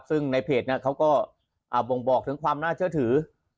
ซึ่งในเพจเขาก็บ่งบอกถึงความน่าเชื่อถือ